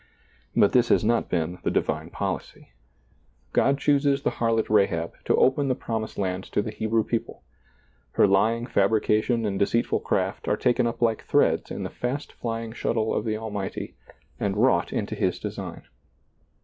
But this has not been the divine policy. God chooses the harlot Rahab to open the promised land to the Hebrew people ; her lying fabrication and de ceitful craft are taken up like threads in the fast flying shuttle of the Almighty and wrought into His design.